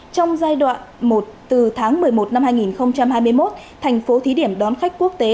trong giai đoạn một từ tháng một mươi một năm hai nghìn hai mươi một thành phố thí điểm đón khách quốc tế